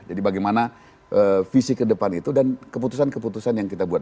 jadi bagaimana visi ke depan itu dan keputusan keputusan yang kita buat